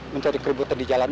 mencari keributan di jalan